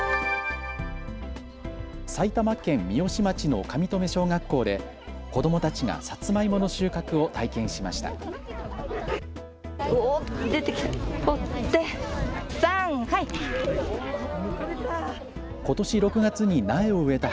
埼玉県三芳町の上富小学校で子どもたちがさつまいもの収穫を体験しました。